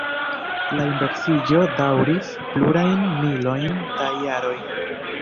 La inversiĝo daŭris plurajn milojn da jaroj.